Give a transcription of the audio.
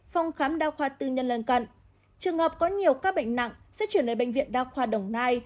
phòng khám đa khoa tư nhân lân cận trường hợp có nhiều ca bệnh nặng sẽ chuyển đến bệnh viện đa khoa đồng nai